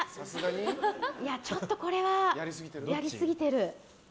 ちょっとこれは、やりすぎてる。